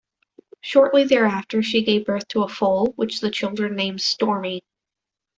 Shortly thereafter, she gave birth to a foal, which the children named Stormy.